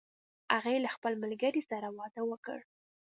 هغې له خپل ملګری سره واده وکړ